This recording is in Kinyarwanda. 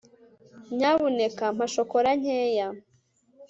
nyamuneka mpa shokora nkeya